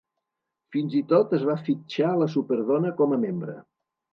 Fins i tot es va fitxar la Superdona com a membre.